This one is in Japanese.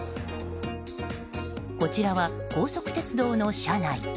こちらは、高速鉄道の車内。